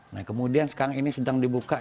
nah kemudian sekarang ini sedang dibuka